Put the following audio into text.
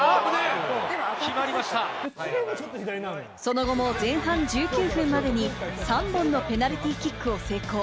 その後も前半１９分までに３本のペナルティーキックを成功。